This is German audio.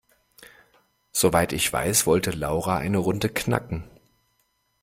Soweit ich weiß, wollte Laura eine Runde knacken.